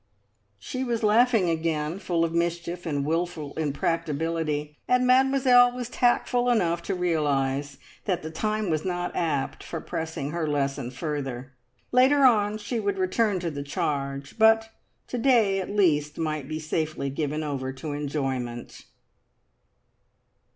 She was laughing again, full of mischief and wilful impracticability, and Mademoiselle was tactful enough to realise that the time was not apt for pressing her lesson further. Later on she would return to the charge, but to day at least might be safely given over to enjoyment.